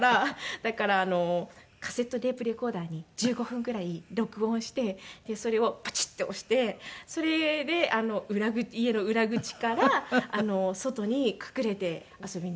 だからカセットテープレコーダーに１５分ぐらい録音してでそれをパチッと押してそれで家の裏口から外に隠れて遊びに行っておりました。